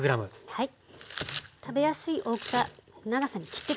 はい。